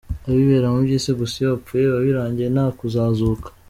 Abibera mu byisi gusa, iyo bapfuye biba birangiye nta kuzazuka.